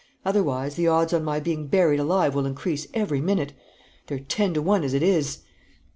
Otherwise, the odds on my being buried alive will increase every minute. They're ten to one as it is!"